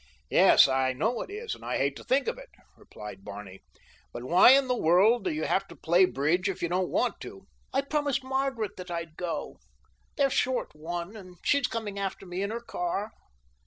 "Yes. I know it is, and I hate to think of it," replied Barney; "but why in the world do you have to play bridge if you don't want to?" "I promised Margaret that I'd go. They're short one, and she's coming after me in her car."